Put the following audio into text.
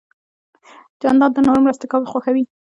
جانداد د نورو مرسته کول خوښوي.